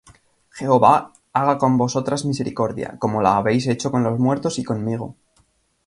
Jehová haga con vosotras misericordia, como la habéis hecho con los muertos y conmigo.